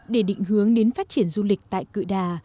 để định hướng đến phát triển du lịch tại cự đà